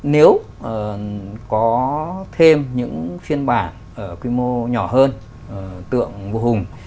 nếu có thêm những phiên bản ở quy mô nhỏ hơn tượng bộ hùng